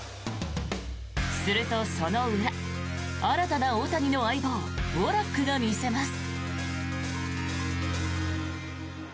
すると、その裏新たな大谷の相棒ウォラックが見せます。